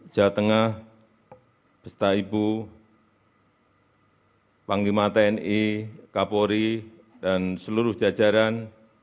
jawa tengah beserta ibu panglima tni kapolri dan seluruh jajaran